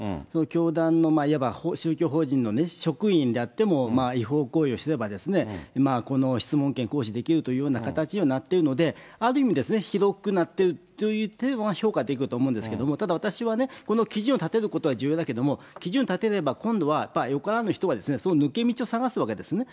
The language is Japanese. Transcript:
教団の、いわば宗教法人の職員であっても、違法行為をすれば、この質問権行使できるというような形にはなっているので、ある意味、広くなっているという点は評価できると思うんですけども、ただ、私はね、この基準を立てることは重要だけれども、基準を立てれば、今度はやっぱりよからぬ人は、そういう抜け道を探すわけですね。